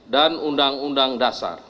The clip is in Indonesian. dan undang undang dasar